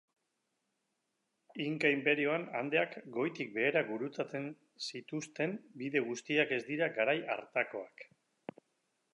Inka inperioan Andeak goitik behera gurutzatzen zituzten bide guztiak ez dira garai hartakoak.